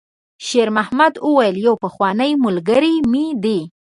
شېرمحمد وویل: «یو پخوانی ملګری مې دی.»